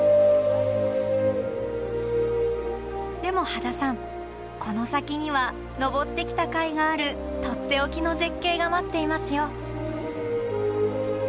でも羽田さんこの先には上ってきたかいがあるとっておきの絶景が待っていますよ。